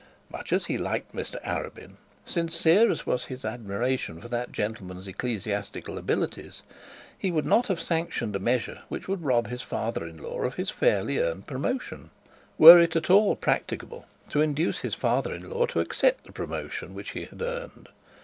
Much as he liked Mr Arabin, sincere as he was in his admiration for that gentleman's ecclesiastical abilities, he would not have sanctioned a measure which would have robbed his father in law of his fairly earned promotion, were it at all practicable to induce his father in law to accept the promotion which he had earned.